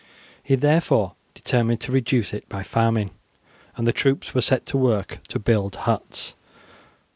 He therefore determined to reduce it by famine, and the troops were set to work to build huts.